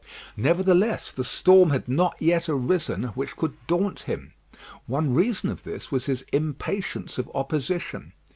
Nevertheless, the storm had never yet arisen which could daunt him. One reason of this was his impatience of opposition.